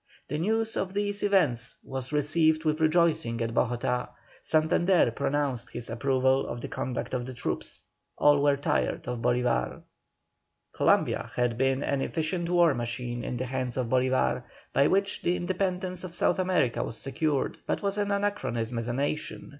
The news of these events was received with rejoicing at Bogotá; Santander pronounced his approval of the conduct of the troops. All were tired of Bolívar. Columbia had been an efficient war machine in the hands of Bolívar by which the independence of South America was secured, but was an anachronism as a nation.